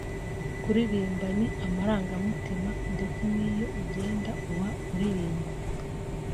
kuririmba ni amarangamutima ndetse n’iyo ugenda uba uririmba